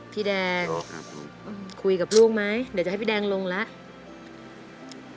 พี่แดงคุยกับลูกไหมเดี๋ยวจะให้พี่แดงลงแล้ว